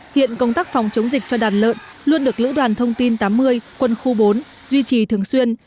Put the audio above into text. hiện công tác phòng chống dịch cho đàn lợn luôn được lữ đoàn thông tin tám mươi quân khu bốn duy trì thường xuyên